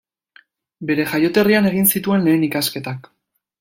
Bere jaioterrian egin zituen lehen ikasketak.